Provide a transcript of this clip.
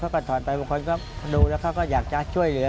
คนพวกเขาก็อยากจะช่วยเหลือ